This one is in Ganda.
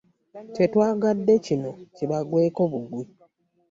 Tetwagadde kino kibagweko bugwi.